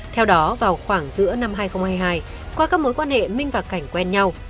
theo đó vào khoảng giữa năm hai nghìn hai mươi hai qua các mối quan hệ minh và cảnh quen nhau